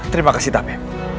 terima kasih tame